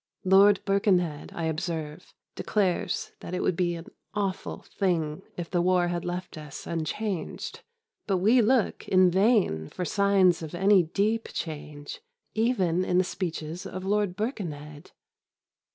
Lord Birkenhead, I observe, declares that it would be an awful thing if the war had left us unchanged, but we look in vain for signs of any deep change even in the speeches of Lord Birkenhead.